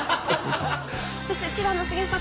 そして千葉の杉野さん